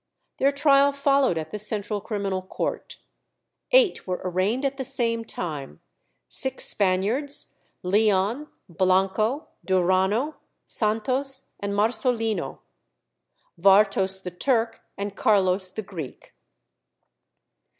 Their trial followed at the Central Criminal Court. Eight were arraigned at the same time: six Spaniards, Leon, Blanco, Duranno, Santos, and Marsolino; Vartos the Turk, and Carlos the Greek.